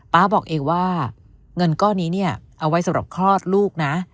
๊าบอกเองว่าเงินก้อนนี้เนี่ยเอาไว้สำหรับคลอดลูกนะ